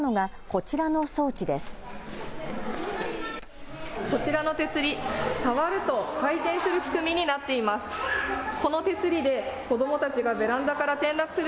こちらの手すり、触ると回転する仕組みになっています。